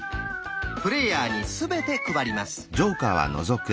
プレイヤーにすべて配ります。